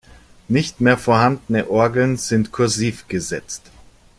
Nicht mehr vorhandene Orgeln sind "kursiv" gesetzt.